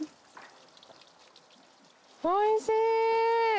おいしい！